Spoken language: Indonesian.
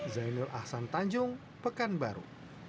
zainul ahsan tanjung pekanbaru